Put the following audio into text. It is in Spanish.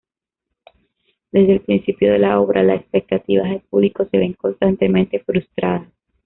Desde el principio de la obra, las expectativas del público se ven constantemente frustradas.